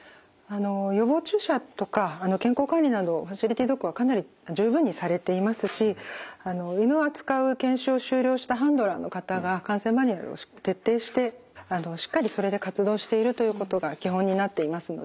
あの予防注射とか健康管理などファシリティドッグはかなり十分にされていますし犬を扱う研修を修了したハンドラーの方が感染マニュアルを徹底してしっかりそれで活動しているということが基本になっていますので。